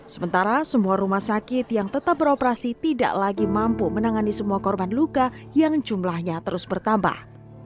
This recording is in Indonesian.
sementara semua rumah sakit yang tetap beroperasi tidak lagi mampu menangani semua korban luka yang jumlahnya terus bertambah